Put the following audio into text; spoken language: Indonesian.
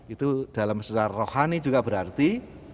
itu dalam secara rohani juga berarti